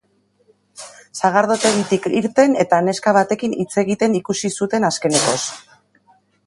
Sagardotegitik irten eta neska batekin hitz egiten ikusi zuten azkenekoz.